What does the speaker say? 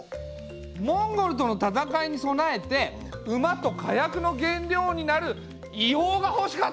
モンゴルとの戦いに備えて馬と火薬の原料になる硫黄がほしかったんだ！